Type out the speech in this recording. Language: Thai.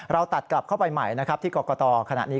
เราตัดกลับเข้าไปใหม่ที่กรกตขณะนี้